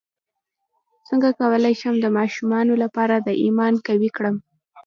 څنګه کولی شم د ماشومانو لپاره د ایمان قوي کړم